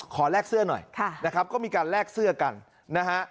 แลกเสื้อหน่อยนะครับก็มีการแลกเสื้อกันนะฮะ